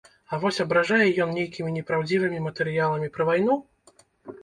А вось абражае ён нейкімі непраўдзівымі матэрыяламі пра вайну?